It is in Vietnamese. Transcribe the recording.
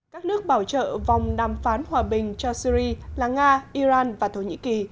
các nước bảo trợ vòng đàm phán hòa bình cho syri là nga iran và thổ nhĩ kỳ